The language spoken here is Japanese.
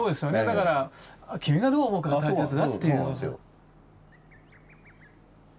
だから「君がどう思うかが大切だ」っていう。